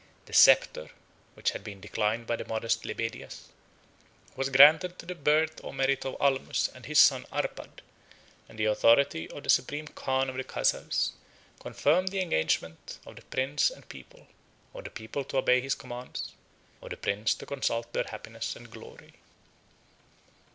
The sceptre, which had been declined by the modest Lebedias, was granted to the birth or merit of Almus and his son Arpad, and the authority of the supreme khan of the Chazars confirmed the engagement of the prince and people; of the people to obey his commands, of the prince to consult their happiness and glory.